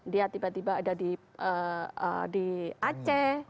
dia tiba tiba ada di aceh